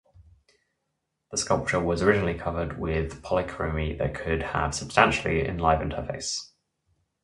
The sculpture was originally covered with polychromy that could have substantially enlivened her face.